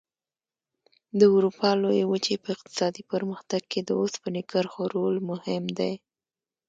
د اروپا لویې وچې په اقتصادي پرمختګ کې د اوسپنې کرښو رول مهم دی.